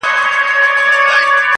خدای بې اجر راکړي بې ګنا یم ښه پوهېږمه,